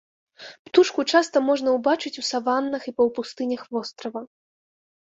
Птушку часта можна ўбачыць у саваннах і паўпустынях вострава.